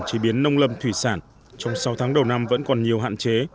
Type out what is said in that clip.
chế biến nông lâm thủy sản trong sáu tháng đầu năm vẫn còn nhiều hạn chế